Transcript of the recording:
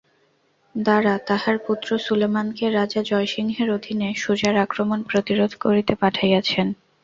দারা তাঁহার পুত্র সুলেমানকে রাজা জয়সিংহের অধীনে সুজার আক্রমণ প্রতিরোধ করিতে পাঠাইয়াছেন।